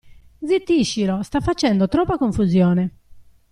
Zittiscilo, sta facendo troppa confusione!